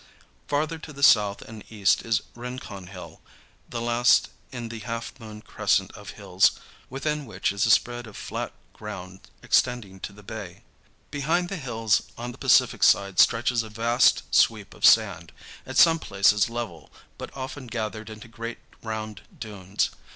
Farther to the south and east is Rincan Hill, the last in the half moon crescent of hills, within which is a spread of flat ground extending to the bay. Behind the hills on the Pacific side stretches a vast sweep of sand, at some places level, but often gathered into great round dunes.